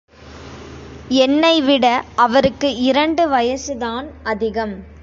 என்னைவிட அவருக்கு இரண்டு வயசு தான் அதிகம்.